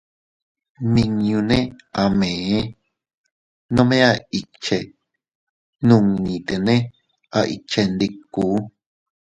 Nminñune a mee, nome a ikche, nunnitene a ikchendikuu.